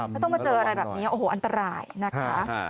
ถ้าต้องมาเจออะไรแบบนี้โอ้โหอันตรายนะคะ